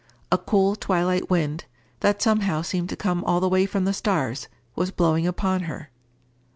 A cool twilight wind, that somehow seemed to come all the way from the stars, was blowing upon her.